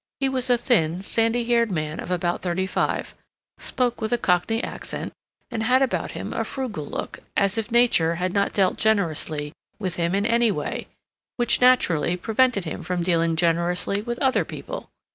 He was a thin, sandy haired man of about thirty five, spoke with a Cockney accent, and had about him a frugal look, as if nature had not dealt generously with him in any way, which, naturally, prevented him from dealing generously with other people.